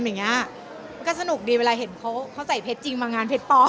มันก็สนุกดีเวลาเห็นเขาใส่เพชรจริงมางานเพชรปลอม